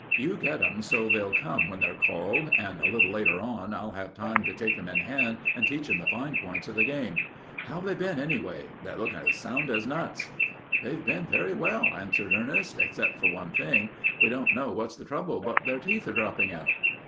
You get 'em so they'll come when they're called, and a little later on I'll have time to take 'em in hand and teach 'em the fine points of the game. How have they been, anyway? They're lookin' as sound as nuts." "They've been very well," answered Ernest, "except for one thing. We don't know what's the trouble, but their teeth are dropping out."